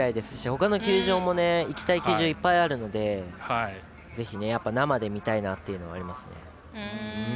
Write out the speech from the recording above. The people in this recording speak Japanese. ほかの球場も行きたい球場いっぱいあるのでぜひ、生で見たいなというのはありますね。